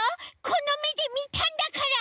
このめでみたんだから！